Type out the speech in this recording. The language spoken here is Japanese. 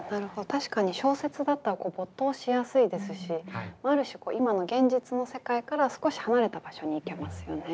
確かに小説だったら没頭しやすいですしある種今の現実の世界から少し離れた場所に行けますよね。